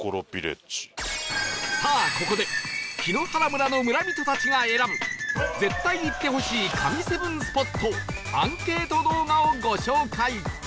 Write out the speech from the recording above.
さあここで檜原村の村人たちが選ぶ絶対行ってほしい神７スポットアンケート動画をご紹介